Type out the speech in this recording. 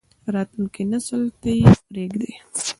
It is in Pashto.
راتلونکی نسل ته یې پریږدئ